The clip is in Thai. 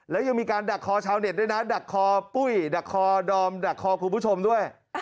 แล้วยังมีการดักคอชาวเน็ตด้วยนะดักคอปุ้ยดักคอดอมดักคอคุณผู้ชมด้วย